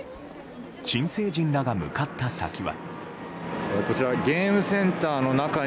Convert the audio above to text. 新成人らが向かった先には。